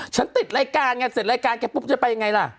ฉันติดรายการไงเสร็จรายการแกปุ๊บจะไปยังไงล่ะ